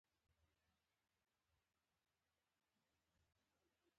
موږ له کابله د دوشنبې په ورځ روان شولو.